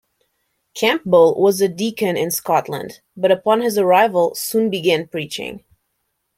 Campbell was a deacon in Scotland, but upon his arrival soon began preaching.